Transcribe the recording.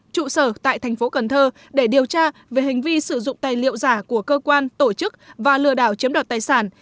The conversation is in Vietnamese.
trụ sở tại tp cn để điều tra về hành vi sử dụng tài liệu giả của cơ quan tổ chức và lừa đảo chiếm đoạt tài sản